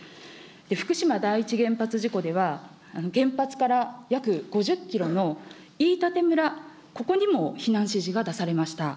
福島第一原発事故では、原発から約５０キロの飯舘村、ここにも避難指示が出されました。